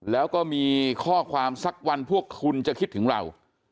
แล้วก็มีข้อความสักวันพวกคุณจะคิดถึงเรา